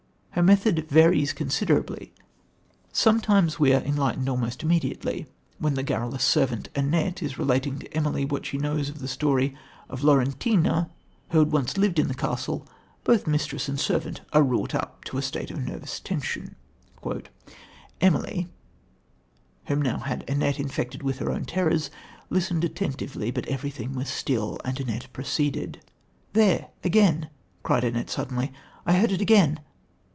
Her method varies considerably. Sometimes we are enlightened almost immediately. When the garrulous servant, Annette, is relating to Emily what she knows of the story of Laurentina, who had once lived in the castle, both mistress and servant are wrought up to a state of nervous tension: "Emily, whom now Annette had infected with her own terrors, listened attentively, but everything was still, and Annette proceeded... 'There again,' cried Annette, suddenly, 'I heard it again.'